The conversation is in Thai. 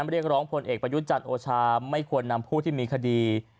เรียกร้องผลเอกประยุทธ์จันทร์โอชาไม่ควรนำผู้ที่มีคดี